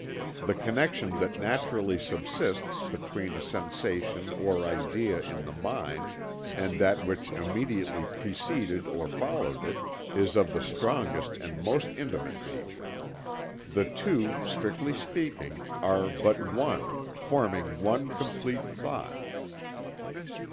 The connection that naturally subsists between a sensation or idea in the mind, and that which immediately preceded or followed it, is of the strongest and most intimate nature. The two, strictly speaking, are but one, forming one complete thought."